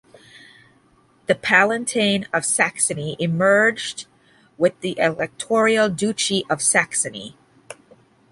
The palatinate of Saxony merged with the Electoral Duchy of Saxony.